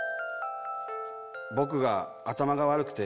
僕が頭が悪くて